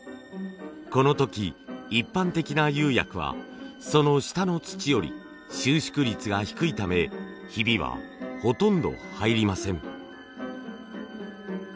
この時一般的な釉薬はその下の土より収縮率が低いためヒビはほとんど入りません。